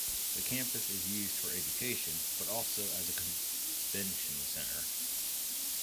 The campus is used for education, but also as a convention centre.